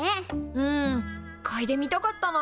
うんかいでみたかったな。